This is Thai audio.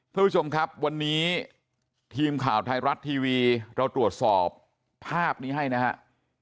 ทุกผู้ชมครับวันนี้ทีมข่าวไทยรัฐทีวีเราตรวจสอบภาพนี้ให้นะครับ